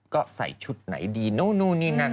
ก็ใส่ชุดหน่อยดีนู่นู้นี่นัน